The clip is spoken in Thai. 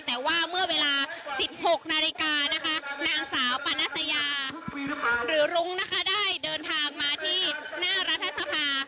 แต่ว่าเมื่อเวลา๑๖นาฬิกานะคะนางสาวปานัสยาหรือรุ้งนะคะได้เดินทางมาที่หน้ารัฐสภา